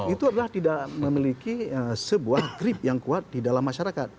itu adalah tidak memiliki sebuah grip yang kuat di dalam masyarakat